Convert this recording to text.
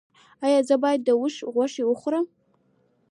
ایا زه باید د اوښ غوښه وخورم؟